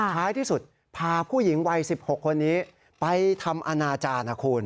ท้ายที่สุดพาผู้หญิงวัย๑๖คนนี้ไปทำอนาจารย์นะคุณ